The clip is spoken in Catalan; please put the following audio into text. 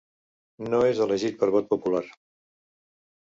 No és elegit per vot popular.